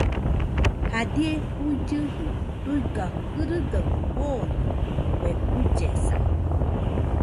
Jadie juillɨji tuiga kɨrɨgaɨmo joone kue ullesa.